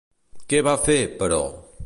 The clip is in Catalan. Què va fer, però?